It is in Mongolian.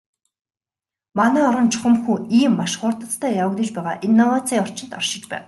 Манай орон чухамхүү ийм маш хурдацтай явагдаж байгаа инновацийн орчинд оршиж байна.